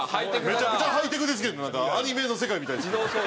めちゃくちゃハイテクですけどなんかアニメの世界みたい。